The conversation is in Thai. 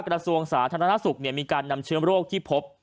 กระทรวงสาธารณสุขมีการนำเชื้อโรคที่พบ